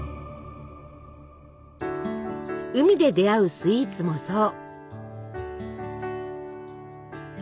海で出会うスイーツもそう。